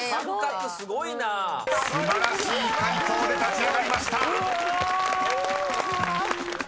［素晴らしい解答で立ち上がりました］